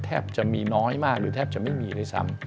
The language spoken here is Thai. จะมีน้อยมากหรือแทบจะไม่มีด้วยซ้ำ